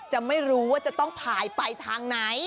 จะไม่รู้ว่าจะต้องผ่ายไปทางไหน